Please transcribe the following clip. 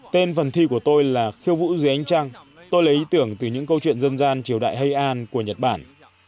tên phần thi của tôi là khiêu vũ dưới ánh trăng tôi lấy ý tưởng từ những câu chuyện dân gian triều đại hay an của nhật bản